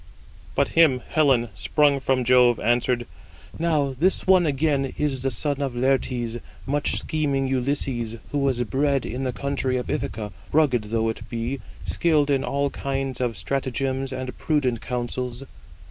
But him Helen, sprung from Jove, answered: "Now, this one again is the son of Laertes, much scheming Ulysses, who was bred in the country of Ithaca, rugged though it be, skilled in all kinds of stratagems and prudent counsels."